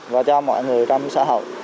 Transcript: và cho mọi người trong xã hội